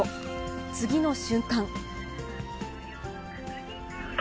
次の瞬間。